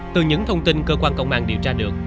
từ những thông tin cơ quan công an điều tra được